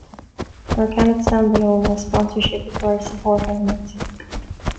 Nor can it stand alone, as sponsorship requires support elements.